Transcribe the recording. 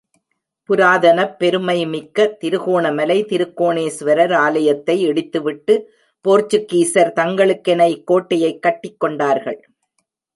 புராதனப் பெருமை மிக்க திருகோணமலை திருகோணேசுவரர் ஆலயத்தை இடித்துவிட்டு போர்ச்சுக்கீசியர் தங்களுக்கென இக்கோட்டையைக் கட்டிக் கொண்டார்கள்.